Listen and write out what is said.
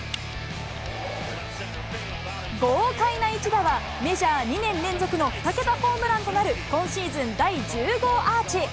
豪快な一打は、メジャー２年連続の２桁ホームランとなる今シーズン第１０号アーチ。